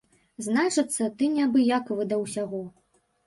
Значыцца, ты неабыякавы да ўсяго.